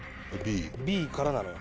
Ｂからなのよ